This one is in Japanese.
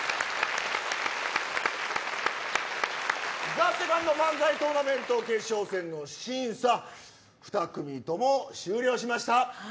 ＴＨＥＳＥＣＯＮＤ漫才トーナメント決勝戦の審査２組とも終了しました。